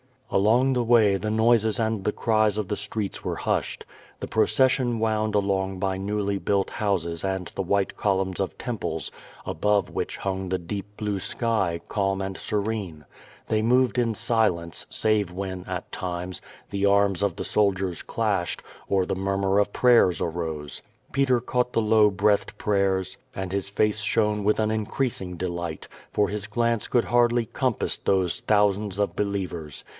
Along the way, the noises and the cries of the streets were hushed. The procession wound along by newly built houses and the white columns of temples, above which hung the deep blue sky, calm and serene. They moved in silence, save when, at times, the arms of the soldiers clashed, or the murmur of prayers arose. Peter cauglit the low breathed prayers, and his face shone with an increasing deliglit, for his glance could hardly compass those thousands of believers.